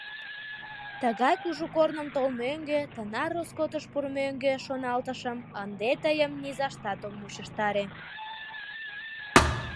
«Тыгай кужу корным толмӧҥгӧ, тынар роскотыш пурымӧҥгӧ, — шоналтышым, — ынде тыйым низаштат ом мучыштаре».